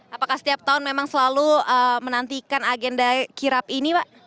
apakah setiap tahun memang selalu menantikan agenda kirap ini pak